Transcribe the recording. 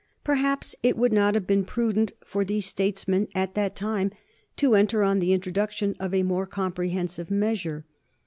Perhaps it would not have been prudent for these statesmen, at that time, to enter on the introduction of a more comprehensive measure.